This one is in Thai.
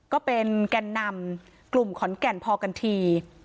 ก็เป็นแก่นนำกลุ่มขอนแก่นพอกันที